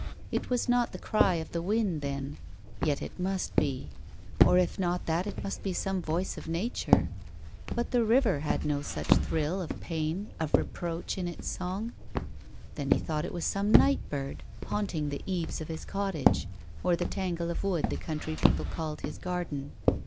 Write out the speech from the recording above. It was not the cry of the wind then. Yet it must be. Or if not that it must be some voice of nature. But the river had no such thrill of pain, of reproach in its song. Then he thought it was some night bird, haunting the eaves of his cottage, or the tangle of wood the country peo ple called his garden.